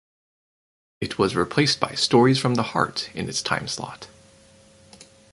It was replaced by "Stories from the Heart" in its timeslot.